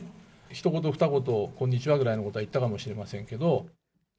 ひと言ふた言、こんにちはぐらいのことは言ったかもしれませんけれども。